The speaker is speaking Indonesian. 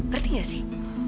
berarti nggak sih